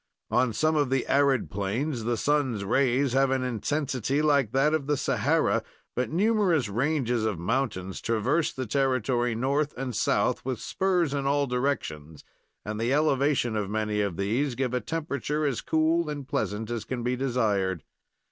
On some of the arid plains the sun's rays have an intensity like that of the Sahara; but numerous ranges of mountains traverse the territory north and south, with spurs in all directions, and the elevation of many of these give a temperature as cool and pleasant as can be desired.